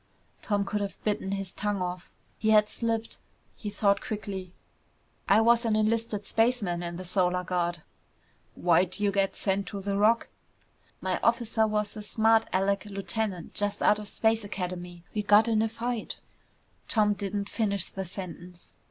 Tom could have bitten his tongue off. He had slipped. He thought quickly. "I was an enlisted spaceman in the Solar Guard." "Why'd you get sent to the Rock?" "My officer was a smart alec lieutenant just out of Space Academy. We got in a fight " Tom didn't finish the sentence.